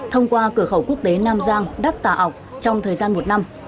thông qua cửa khẩu quốc tế nam giang đắc tà ốc trong thời gian một năm